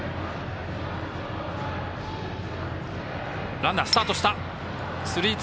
ランナー、スタートした。